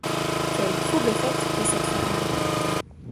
Quel trouble-fête que cette femme!